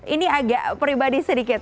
ini agak pribadi sedikit